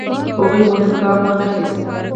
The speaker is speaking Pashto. هغوی مهم ګام وانخیست.